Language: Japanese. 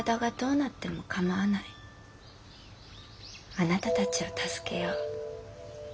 あなたたちを助けよう。